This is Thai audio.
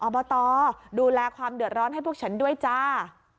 บตดูแลความเดือดร้อนให้พวกฉันด้วยจ้า